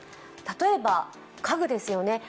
例えば家具ですよね。